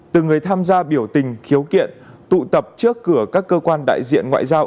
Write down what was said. từ người tham gia biểu tình khiếu kiện tụ tập trước cửa các cơ quan đại diện ngoại giao